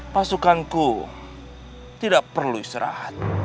pasukanku tidak perlu istirahat